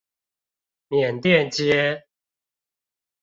緬甸街